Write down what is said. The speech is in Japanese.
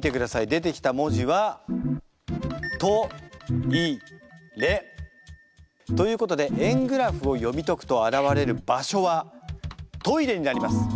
出てきた文字はということで円グラフを読み解くと現れる場所はトイレになります。